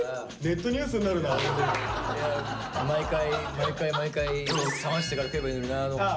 毎回毎回冷ましてから食えばいいのになと思って。